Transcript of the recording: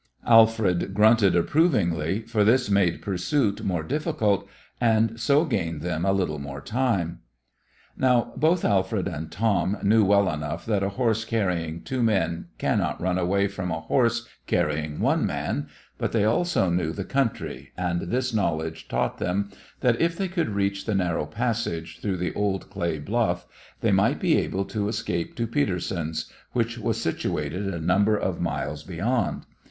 Alfred grunted approvingly, for this made pursuit more difficult, and so gained them a little more time. Now both Alfred and Tom knew well enough that a horse carrying two men cannot run away from a horse carrying one man, but they also knew the country, and this knowledge taught them that if they could reach the narrow passage through the old clay bluff, they might be able to escape to Peterson's, which was situated a number of miles beyond.